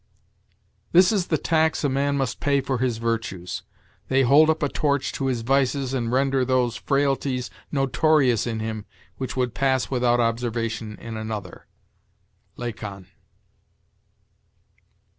"This is the tax a man must pay for his virtues they hold up a torch to his vices and render those frailties notorious in him which would pass without observation in another." Lacon.